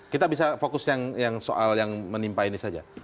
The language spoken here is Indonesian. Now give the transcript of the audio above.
kita bisa fokus yang soal yang menimpa ini saja